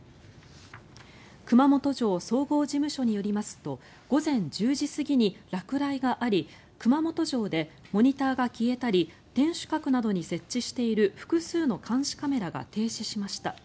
熊本城総合事務所によりますと午前１０時過ぎに落雷があり熊本城でモニターが消えたり天守閣などに設置している複数の監視カメラが停止しました。